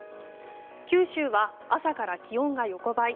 九州は、朝から気温が横ばい。